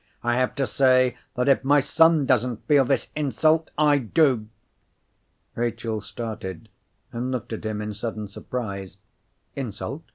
"I have to say that if my son doesn't feel this insult, I do!" Rachel started, and looked at him in sudden surprise. "Insult?"